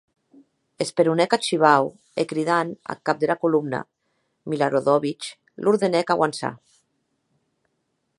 Esperonèc ath shivau e cridant ath cap dera colomna, Miloradovic, l’ordenèc auançar.